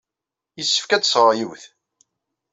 Yessefk ad d-sɣeɣ yiwet.